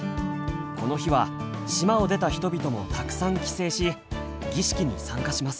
この日は島を出た人々もたくさん帰省し儀式に参加します。